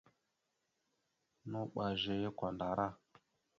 Nuɓa zeya kwandara.